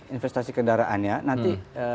investasi kendaraannya nanti